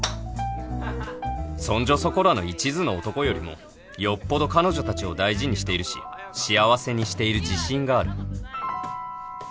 そんじょそこらの一途な男よりもよっぽど彼女たちを大事にしているし幸せにしている自信がある